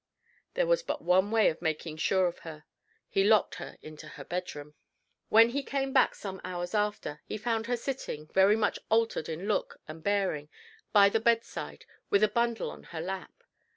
There was but one way of making sure of her. He locked her into her bedroom. When he came back some hours after, he found her sitting, very much altered in look and bearing, by the bedside, with a bundle on her lap.